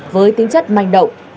với tính chất manh động